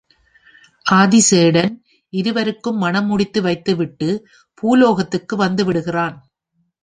ஆதிசேடன் இருவருக்கும் மணம் முடித்து வைத்துவிட்டுப் பூலோகத்துக்கு வந்து விடுகிறான்.